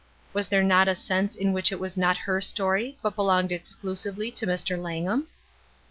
Was there not a sense in which it was not her story, but belonged exclusively to Mr. Langham?